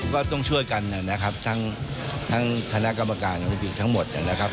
ก็ต้องช่วยกันนะครับทั้งคณะกรรมการโอลิมปิกทั้งหมดนะครับ